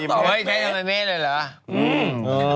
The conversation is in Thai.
ใจมาเมตรเลยหรอ